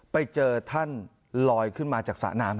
ไปเจอท่านลอยขึ้นมาจากสระน้ำ